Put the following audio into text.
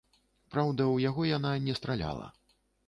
Праўда, у яго яна не страляла.